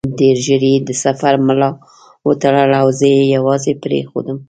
ډېر ژر یې د سفر ملا وتړله او زه یې یوازې پرېښودم.